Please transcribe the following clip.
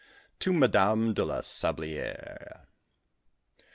TO MADAME DE LA SABLIÈRE.